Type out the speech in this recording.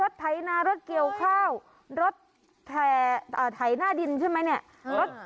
รถไพรนารถเกียวข้าวรถแถ่อ่าไถ่หน้าดินใช่ไหมเนี้ยอ่า